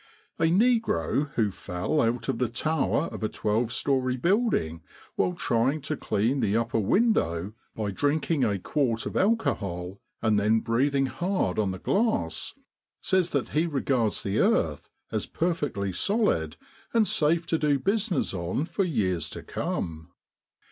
A negro who fell out of the tower of a twelve story building while trying to clean the upper window by drinking a quart of alcohol and then breathing hard on the glass, says that he regards the earth as perfectly solid, and safe to do business on for years to come.